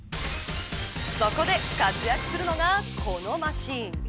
そこで活躍するのがこのマシン。